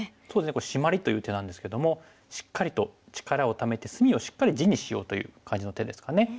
これシマリという手なんですけどもしっかりと力をためて隅をしっかり地にしようという感じの手ですかね。